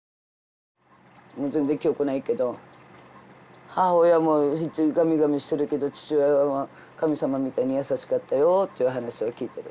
もう全然記憶ないけど母親はガミガミしてるけど父親は神様みたいに優しかったよという話を聞いてる。